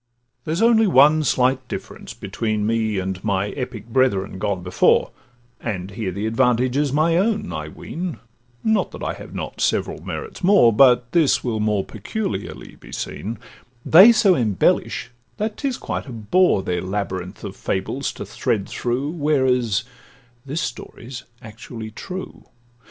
There's only one slight difference between Me and my epic brethren gone before, And here the advantage is my own, I ween (Not that I have not several merits more, But this will more peculiarly be seen); They so embellish, that 'tis quite a bore Their labyrinth of fables to thread through, Whereas this story 's actually true.